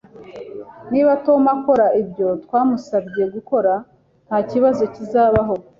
Niba Tom akora ibyo twamusabye gukora, ntakibazo kizabaho